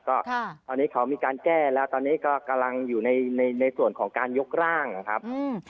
ก็ตอนนี้เขามีการแก้แล้วตอนนี้ก็กำลังอยู่ในในส่วนของการยกร่างนะครับ